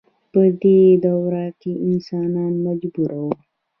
په دې دوره کې انسانان مجبور وو.